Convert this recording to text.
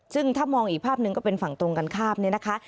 ซึ่งถ้ามองอีกภาพหนึ่งก็เป็นฝั่งตรงกันข้ามเนี่ยนะคะ